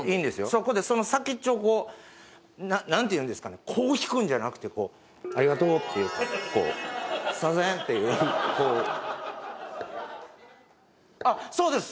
そこでその先っちょをこう何ていうんですかねこう引くんじゃなくてこうありがとうっていうこうすいませんっていうこうあっそうです